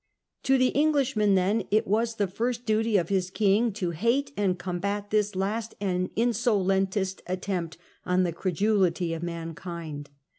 * To the Englishman, then, it was the first duty of his King to hate and combat 'this last and insolentest Charles attempt on the credulity of mankind.